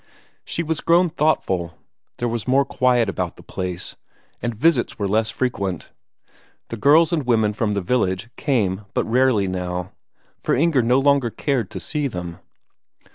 She was grown thoughtful, there was more quiet about the place, and visits were less frequent; the girls and women from the village came but rarely now, for Inger no longer cared to see them.